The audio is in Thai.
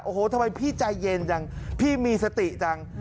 โอ้โหทำไมพี่ใจเย็นจังพี่มีสติจัง